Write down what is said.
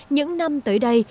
những năm tới đây